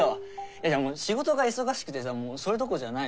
いやもう仕事が忙しくてさもうそれどころじゃないのよ。